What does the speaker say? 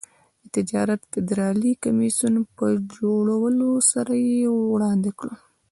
د تجارت فدرالي کمېسیون په جوړولو سره یې وړاندې کړ.